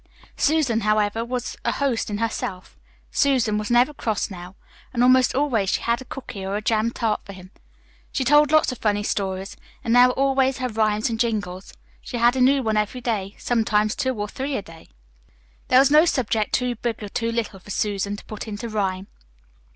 Susan, however, was a host in herself. Susan was never cross now, and almost always she had a cooky or a jam tart for him. She told lots of funny stories, and there were always her rhymes and jingles. She had a new one every day, sometimes two or three a day. There was no subject too big or too little for Susan to put into rhyme.